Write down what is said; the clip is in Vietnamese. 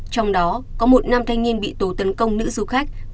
trong đó có một nam thanh niên bị tổ tấn công nữ du khách